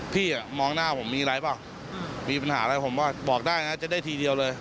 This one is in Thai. พี่มองหน้าผมมีอะไรเปล่ามีปัญหาอะไรผมว่าบอกได้นะจะได้ทีเดียวเลย